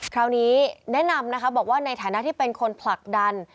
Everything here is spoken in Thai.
คราวนี้แนะนำนะคะบอกว่าในฐานะที่เป็นคนผลักดัน